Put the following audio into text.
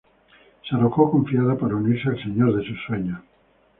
Se arrojó confiada para unirse al señor de sus sueños.